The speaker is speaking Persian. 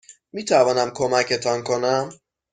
میتوانم کمکتان کنم؟